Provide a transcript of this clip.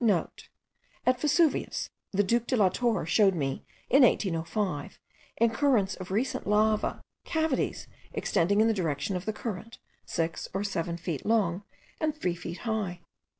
(* At Vesuvius, the Duke de la Torre showed me, in 1805, in currents of recent lava, cavities extending in the direction of the current, six or seven feet long and three feet high.